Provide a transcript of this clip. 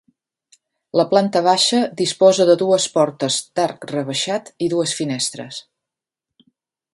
La planta baixa disposa de dues portes d'arc rebaixat i dues finestres.